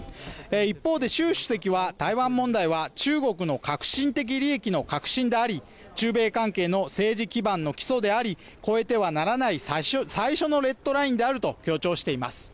一方で習主席は台湾問題は中国の核心的利益の核心であり中米関係の政治基盤の基礎であり、越えてはならない最初のレッドラインであると強調しています。